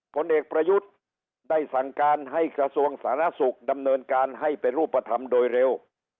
ผลเอกประยุทธ์ได้สั่งการให้กระทรวงสาธารณสุขดำเนินการให้เป็นรูปธรรมโดยเร็ว